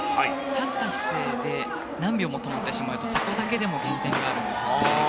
立った姿勢で何秒も止まってしまうとそこだけでも減点があるんです。